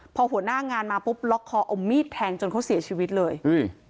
พอหัวหน้างานมาปุ๊บล็อกคอเอามีดแทงจนเขาเสียชีวิตเลยอุ้ย